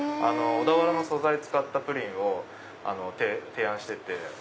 小田原の素材使ったプリンを提案してて。